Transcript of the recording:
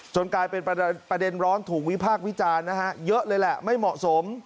กลายเป็นประเด็นร้อนถูกวิพากษ์วิจารณ์นะฮะเยอะเลยแหละไม่เหมาะสม